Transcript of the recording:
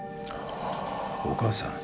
お母さん？